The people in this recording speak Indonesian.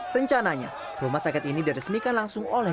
rencananya rumah sakit ini diresmikan langsung oleh